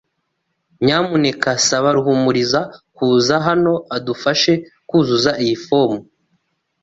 Nyamuneka saba Ruhumuriza kuza hano adufashe kuzuza iyi fomu.